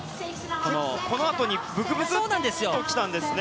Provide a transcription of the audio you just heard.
このあとにブクブクっときたんですね。